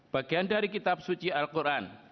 bagian dari kitab suci al quran